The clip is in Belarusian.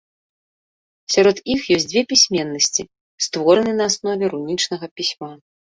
Сярод іх ёсць дзве пісьменнасці, створаныя на аснове рунічнага пісьма.